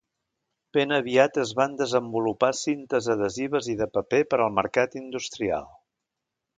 Ben aviat es van desenvolupar cintes adhesives i de paper per al mercat industrial.